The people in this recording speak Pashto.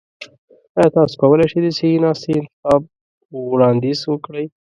ایا تاسو کولی شئ د صحي ناستي انتخاب وړاندیز وکړئ؟